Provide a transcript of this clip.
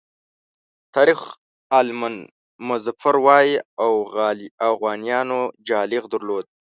تاریخ آل مظفر وایي اوغانیانو جالغ درلود.